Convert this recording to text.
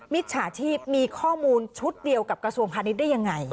จฉาชีพมีข้อมูลชุดเดียวกับกระทรวงพาณิชย์ได้ยังไง